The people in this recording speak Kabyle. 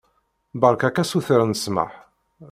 Beṛka-k asuter n ssmaḥ.